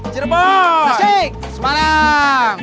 cirebon tasik semarang